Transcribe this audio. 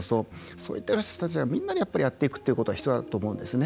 そういった人たちがみんなでやっていくということが必要だと思うんですよね。